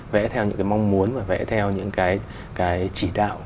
vẽ theo những cái mong muốn và vẽ theo những cái chỉ đạo